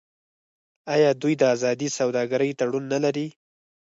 آیا دوی د ازادې سوداګرۍ تړون نلري؟